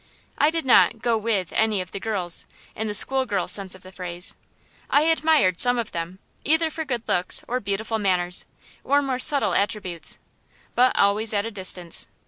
I did not "go with" any of the girls, in the school girl sense of the phrase. I admired some of them, either for good looks, or beautiful manners, or more subtle attributes; but always at a distance.